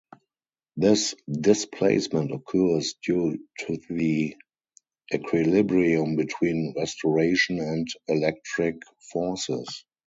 This displacement occurs due to the equilibrium between restoration and electric forces.